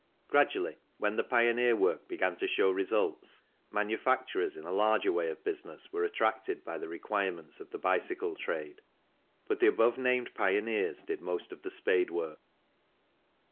Gradually, when the pioneer work began to show results, manufacturers in a larger way of business were attracted by the require ments of the bicycle trade, but the above named pioneers did most of the spade work.